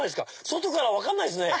外から分かんないですね。